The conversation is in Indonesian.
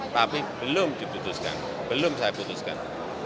tapi belum diputuskan belum saya putuskan